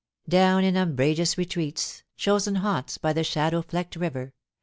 Down in umbrageous retreats, chosen haunts by the shadow flecked river.